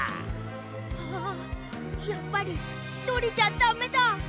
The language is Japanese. ああやっぱりひとりじゃだめだ！